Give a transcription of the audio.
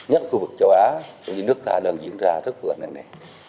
các khu vực châu á cũng như nước ta đang diễn ra rất là nặng nẻ